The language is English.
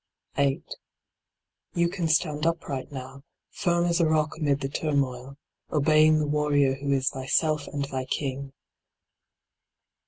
8. You can stand upright now, firm as a rock amid the turmoil, obeying the warrior who is thyself and thy king.